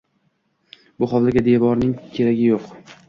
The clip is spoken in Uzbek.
Bu hovliga devorning keragiyam yo‘q.